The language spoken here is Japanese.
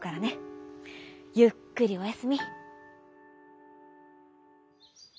ゆっくりおやすみ」。